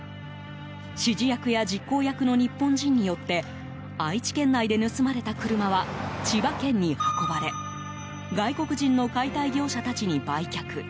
指示役や実行役の日本人によって愛知県内で盗まれた車は千葉県に運ばれ外国人の解体業者たちに売却。